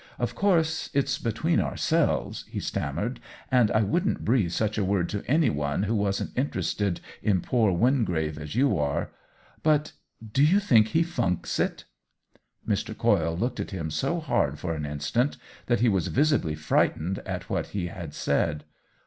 " Of course, it's between ourselves," he stammered, " and I wouldn't breathe such a word to any one who wasn't interested in poor Wingrave as you are. But do you think he funks it ?" Mr. Coyle looked at him so hard for an instant that he was visibly frightened at what he had said.